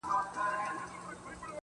لكه اوبه چي دېوال ووهي ويده سمه زه~